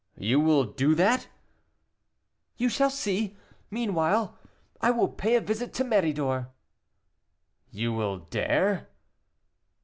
"You will do that?" "You shall see. Meanwhile I will pay a visit to Méridor." "You will dare?"